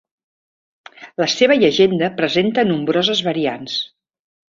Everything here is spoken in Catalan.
La seva llegenda presenta nombroses variants.